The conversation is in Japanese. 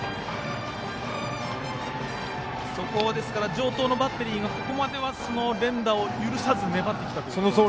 城東のバッテリーがここまでは連打を許さず粘ってきたということですよね。